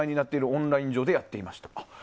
オンライン上でやっていました。